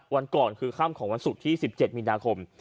วันก่อนคือค่ำของวันศุกร์ที่๑๗มีนาคม